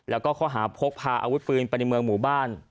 แล้วก็ข้อหาพกพาอาวุธปืนไปในเมืองหมู่บ้าน